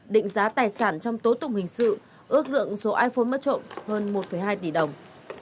định giá tài sản trong tố tụng hình sự ước lượng số iphone mất trộm hơn một hai tỷ đồng